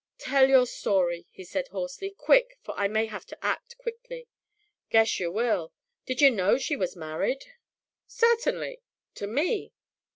"Tell your story," he said hoarsely, "quick, for I may have to act quickly." "Guess yer will. Did yer know she was married?" "Certainly to me."